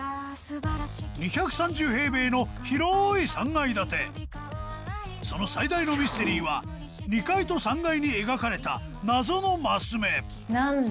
２３０平米の広い３階建てその最大のミステリーは２階と３階に描かれた謎のマス目なんだ